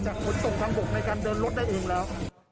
ขนส่งทางบกในการเดินรถได้เองแล้ว